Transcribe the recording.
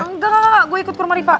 enggak gue ikut ke rumah riva